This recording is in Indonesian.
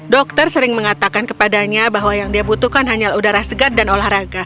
dokter sering mengatakan kepadanya bahwa yang dia butuhkan hanyalah udara segar dan olahraga